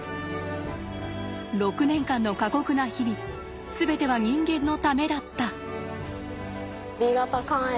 ６年間の過酷な日々全ては人間のためだった！